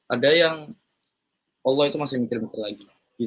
ada yang allah itu masih mikir mikir lagi